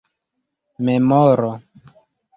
memoro